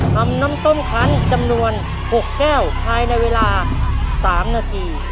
ทำน้ำส้มคันจำนวน๖แก้วภายในเวลา๓นาที